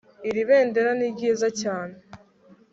Iri bendera ni ryiza cyane